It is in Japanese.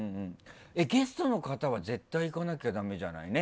ゲストの方は絶対いかなきゃだめじゃない。